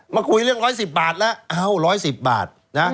มาคุยเรื่อง๑๑๐บาทแล้วเอ้า๑๑๐บาท